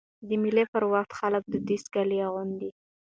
د مېلو پر وخت خلک دودیز کالي اغوندي.